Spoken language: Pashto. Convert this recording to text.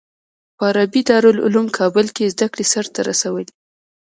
په عربي دارالعلوم کابل کې زده کړې سر ته رسولي.